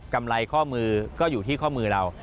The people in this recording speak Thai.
กำไรข้อมือก็อยู่ที่ข้อมือเรา